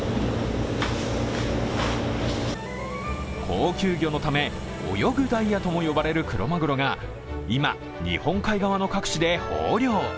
高級魚のため、泳ぐダイヤとも呼ばれるクロマグロが今、日本海側の各地で豊漁。